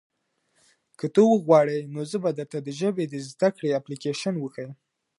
که ته وغواړې نو زه به درته د ژبې د زده کړې اپلیکیشن وښیم.